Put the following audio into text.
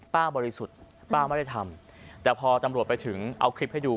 บริสุทธิ์ป้าไม่ได้ทำแต่พอตำรวจไปถึงเอาคลิปให้ดู